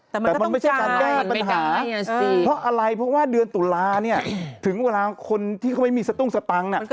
แต่มันไม่ใช่จัดการปัญหาเพราะว่าเดือนตุลาถึงเวลาที่เขาไม่มีสตรงสตังค์